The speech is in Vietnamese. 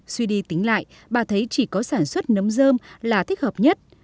suy đi tính lại bà thấy chỉ có sản xuất nấm dơm là thích hợp nhất